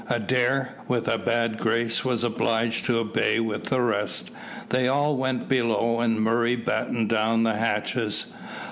Adair, with a bad grace, was obliged to obey with the rest. They all went below, and Murray battened down the hatches.